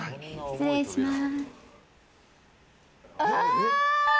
失礼します。